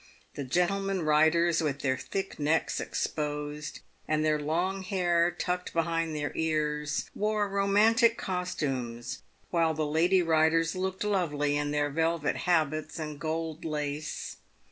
The gentlemen riders, with their thick necks exposed, and their long hair tucked behind their ears, wore romantic costumes, while the lady riders looked lovely in their velvet habits and gold lace.